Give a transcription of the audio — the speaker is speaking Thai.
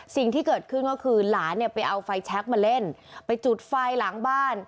สิ่งที่เกิดขึ้นก็คือหลานเนี่ยไปเอาไฟแชคมาเล่นไปจุดไฟหลังบ้าน